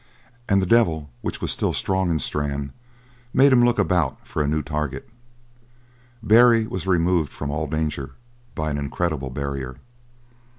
And the devil which was still strong in Strann made him look about for a new target; Barry was removed from all danger by an incredible barrier.